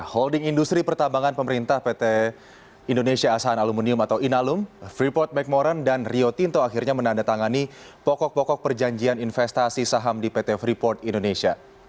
holding industri pertambangan pemerintah pt indonesia asahan aluminium atau inalum freeport mcmoran dan rio tinto akhirnya menandatangani pokok pokok perjanjian investasi saham di pt freeport indonesia